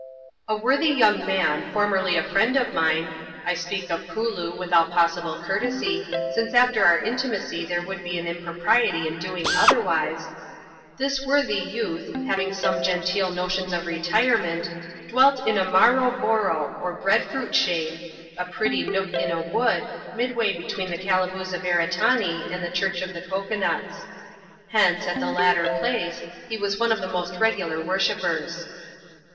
A WOBTHY young man, formerly a friend of mine (I spedi of Kooloo with all possible courtesy, since after our intimacy there would be an impropriety in doing otherwise) — this wortliy youth, having some genteel notions of retirement, dwelt in a " maroo boro," or bread fruit shade, a pretty nook in a wood, midway between the Calabooza Beretanee an4 the Church of Cocoa nuts. Hence, at the latter place, he was one of the most regular worshippers.